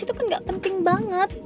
itu kan gak penting banget